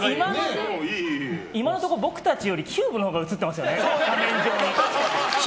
今のところ、僕たちよりキューブのほうが映ってますよね。